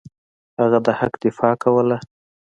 هغه د حق دفاع کوله.